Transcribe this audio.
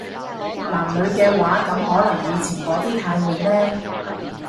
男女嘅話，噉可能以前嗰啲太悶呢